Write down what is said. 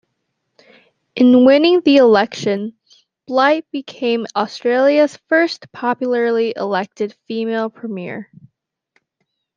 In winning the election, Bligh became Australia's first popularly elected female premier.